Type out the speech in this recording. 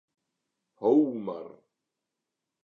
Ho mar.